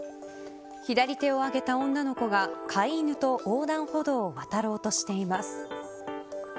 左手を上げた女の子が飼い犬と横断歩道を渡ろうとしています。